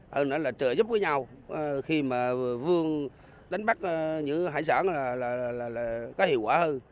hơn nữa là trợ giúp với nhau khi mà vương đánh bắt giữ hải sản là có hiệu quả hơn